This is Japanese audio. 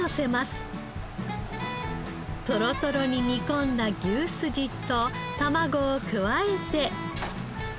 トロトロに煮込んだ牛すじと卵を加えて。